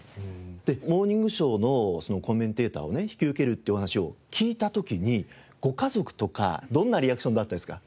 『モーニングショー』のコメンテーターを引き受けるというお話を聞いた時にご家族とかどんなリアクションだったんですか？